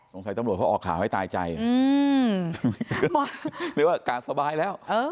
สงสัยตำลวจเขาออกข่าวให้ตายใจอืมหรือว่าการสบายแล้วเออ